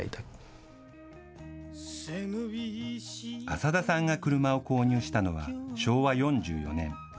浅田さんが車を購入したのは、昭和４４年。